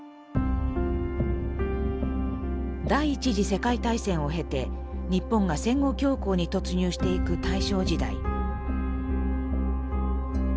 第１次世界大戦を経て日本が戦後恐慌に突入していく大正時代。